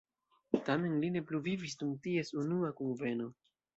Tamen li ne plu vivis dum ties unua kunveno.